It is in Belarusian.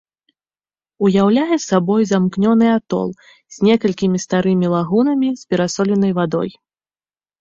Уяўляе сабою замкнёны атол з некалькімі старымі лагунамі з перасоленай вадой.